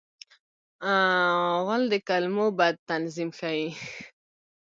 غول د کولمو بد تنظیم ښيي.